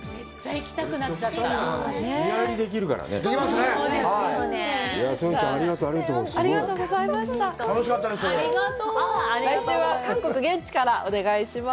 来週は韓国現地からお願いします。